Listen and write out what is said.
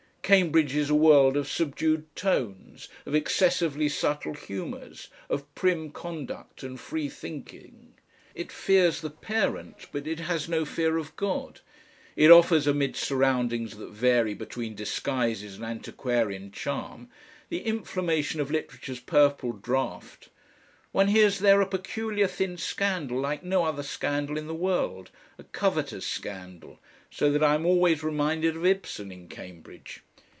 Cambridge is a world of subdued tones, of excessively subtle humours, of prim conduct and free thinking; it fears the Parent, but it has no fear of God; it offers amidst surroundings that vary between disguises and antiquarian charm the inflammation of literature's purple draught; one hears there a peculiar thin scandal like no other scandal in the world a covetous scandal so that I am always reminded of Ibsen in Cambridge.